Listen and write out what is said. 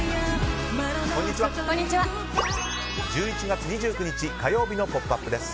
１１月２９日、火曜日の「ポップＵＰ！」です。